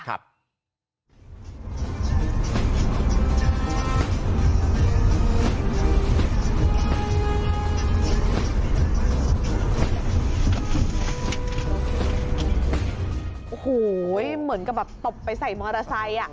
โหเหมือนกับตบไปใส่มอเตอร์ไซค์